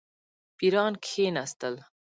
پیران کښېنستل.